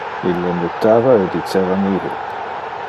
Ille nutava e diceva nihil.